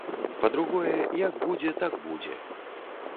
Па-другое, як будзе, так будзе!